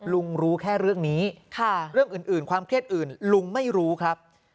รู้แค่เรื่องนี้เรื่องอื่นความเครียดอื่นลุงไม่รู้ครับ